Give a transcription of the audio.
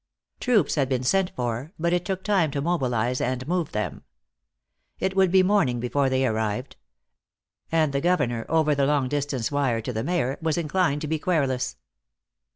Troops had been sent for, but it took time to mobilize and move them. It would be morning before they arrived. And the governor, over the long distance wire to the mayor, was inclined to be querulous.